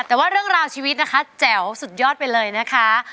แต่ว่าเรื่องราวชีวิตนะคะแจ๋วสุดยอดไปเลยนะคะ